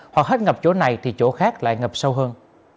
hoặc hết ngập chỗ này thì chỗ khác lại ngập sâu hơn